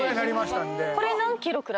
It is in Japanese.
これ何ｋｇくらい。